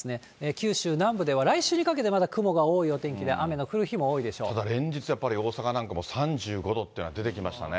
九州南部では来週にかけてまだ雲が多いお天気で、雨の降る日も多ただ、連日、やっぱり大阪なんかも３５度っていうのが出てきましたね。